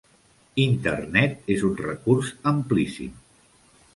Internet és un recurs amplíssim.